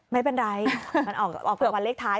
ไม่เป็นไรมันออกเผื่อวันเล็กท้าย